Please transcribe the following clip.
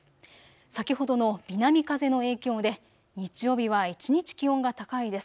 先ほどの南風の影響で日曜日は一日、気温が高いです。